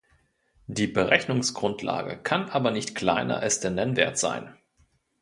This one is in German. Die Berechnungsgrundlage kann aber nicht kleiner als der Nennwert sein.